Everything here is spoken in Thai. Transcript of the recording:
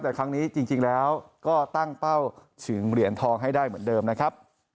แต่ครั้งนี้จริงแล้วก็ตั้งเป้าฉึงเหรียญทองให้ได้เหมือนเดิมนะครับ